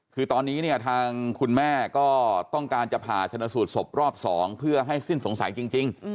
คือตอนนี้เนี่ยทางคุณแม่ก็ต้องการจะผ่าชนสูตรศพรอบ๒เพื่อให้สิ้นสงสัยจริง